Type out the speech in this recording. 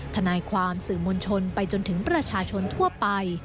ทนายความสื่อมวลชนไปจนถึงประชาชนทั่วไป